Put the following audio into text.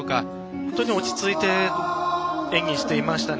本当に落ち着いて演技していましたね。